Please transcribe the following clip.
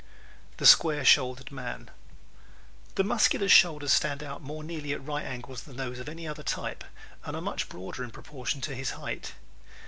The Square Shouldered Man ¶ The Muscular's shoulders stand out more nearly at right angles than those of any other type and are much broader in proportion to his height.